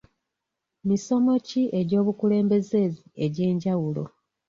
Misono ki egy'obukulembeze egy'enjawulo.